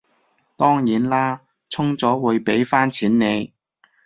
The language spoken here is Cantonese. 當然啦，充咗會畀返錢你